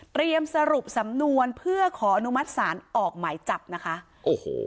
สรุปสำนวนเพื่อขออนุมัติศาลออกหมายจับนะคะโอ้โห